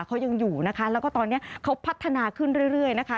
เขายังอยู่นะคะแล้วก็ตอนนี้เขาพัฒนาขึ้นเรื่อยนะคะ